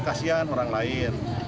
kasian orang lain